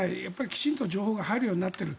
きちんと情報が入るようになっている。